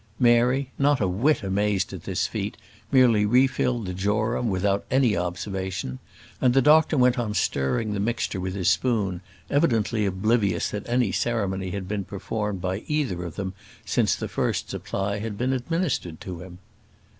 Mary, not a whit amazed at this feat, merely refilled the jorum without any observation; and the doctor went on stirring the mixture with his spoon, evidently oblivious that any ceremony had been performed by either of them since the first supply had been administered to him.